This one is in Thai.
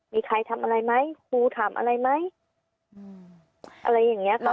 มีใครทำอะไรไหมครูถามอะไรไหมอะไรอย่างเงี้ยค่ะ